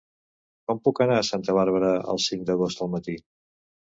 Com puc anar a Santa Bàrbara el cinc d'agost al matí?